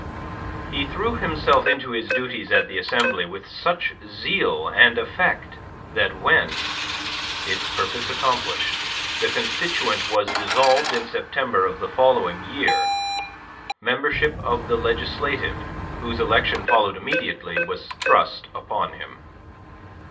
He threw himself into his duties at the Assembly with such zeal and effect that when its purpose accomplished the Constituent was dissolved in September of the following year, membership of the Legislative, whose election followed immediately, was thrust upon him.